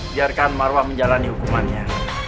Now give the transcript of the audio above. biarkan marwa menjalani hukumannya